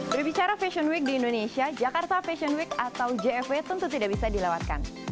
berbicara fashion week di indonesia jakarta fashion week atau jfw tentu tidak bisa dilewatkan